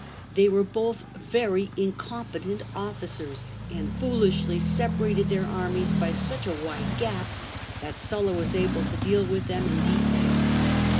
They were both very incompetent officers, and foolishly separated their armies by such a wide gap that Sulla was able to deal with them in detail.